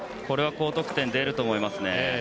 これは高得点が出ると思いますね。